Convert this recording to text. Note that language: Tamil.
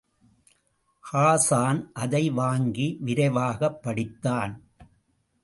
ஹாஸான் அதை வாங்கி விரைவாகப் படித்தான்.